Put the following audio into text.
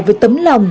về tấm lòng